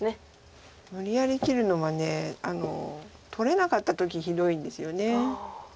無理やり切るのは取れなかった時ひどいんですよね。